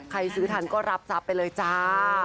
ใครซื้อทันก็รับทราบไปเลยจ้า